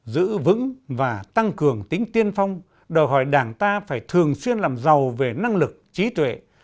giữ vững và tăng cường tính tiên phong đòi hỏi đảng ta phải thường xuyên làm giàu về năng lực trí tuệ